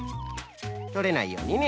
とれないようにね。